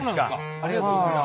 ありがとうございます。